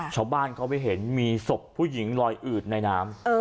ชาวบ้านเขาไปเห็นมีศพผู้หญิงลอยอืดในน้ำ